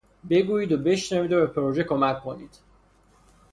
بگویید و بشنوید و به پروژه کمک کنید